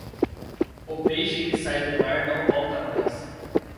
O peixe que sai do mar não volta mais.